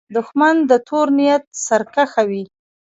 دښمن د تور نیت سرکښه وي